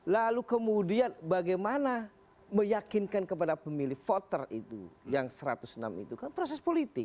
lalu kemudian bagaimana meyakinkan kepada pemilih voter itu yang satu ratus enam itu kan proses politik